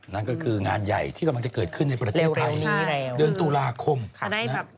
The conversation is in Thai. นั่นก็คืองานใหญ่ที่กำลังจะเกิดขึ้นในประเทศไทยเดือนตุลาคมนะครับ